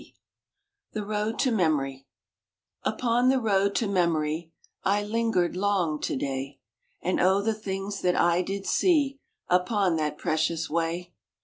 THE ROAD TO MEMORY UPON the Road to Memory I lingered long to day, And O the things that I did see Upon that precious way!